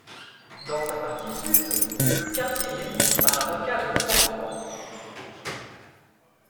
Dans sa partie sud, le quartier est délimité par la Rocade de Fort-de-France.